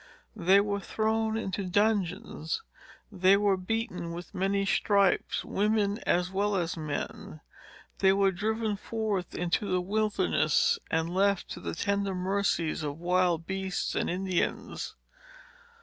They were thrown into dungeons; they were beaten with many stripes, women as well as men; they were driven forth into the wilderness, and left to the tender mercies of wild beasts and Indians.